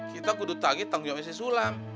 kita kudu tarik tanggung jawabnya si sulam